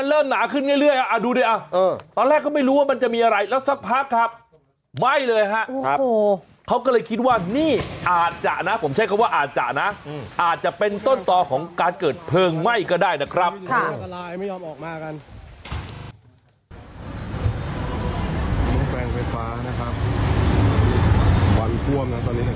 ถูกดูเอาแล้วกันอ่ะคุณชิษาม